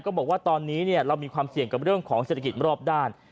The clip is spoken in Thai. บอกว่าตอนนี้เรามีความเสี่ยงกับเรื่องของเศรษฐกิจรอบด้าน